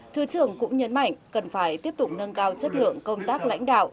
thứ trưởng cũng nhấn mạnh cần phải tiếp tục nâng cao chất lượng công tác lãnh đạo